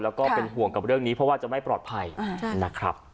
แล้วก็เป็นห่วงกับเรื่องนี้เพราะว่าจะไม่ปลอดภัยนะครับ